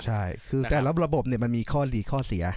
ใช่คือแต่ละระบบมันมีข้อดีข้อเสีย